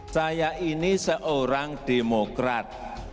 saya ini seorang demokrat